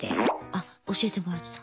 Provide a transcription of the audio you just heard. あ教えてもらってた。